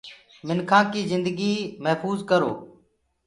مکيآنٚ ڪي جنگي مهڦوج ڪرو۔